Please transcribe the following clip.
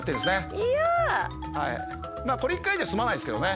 まあこれ１回じゃ済まないですけどね。